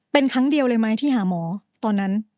เป็นครั้งเดียวเลยไหมที่หาหมอตอนนั้น